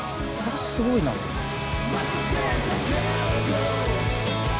すごいなと思って。